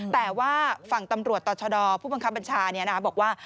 แต่ว่าฝั่งตำรวจต่อชะดอผู้บังคับบัญชาบอกว่า